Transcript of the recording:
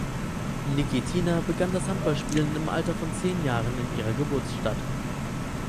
Nikitina begann das Handballspielen im Alter von zehn Jahren in ihrer Geburtsstadt.